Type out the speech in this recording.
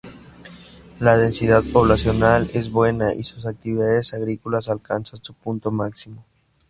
La densidad poblacional es buena y sus actividades agrícolas alcanzan su punto máximo.